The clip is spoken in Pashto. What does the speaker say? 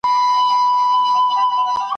دوست ته حال وایه دښمن ته لافي وهه `